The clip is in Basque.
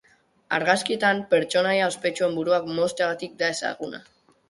Argazkietan, pertsonaia ospetsuen buruak mozteagatik da ezaguna.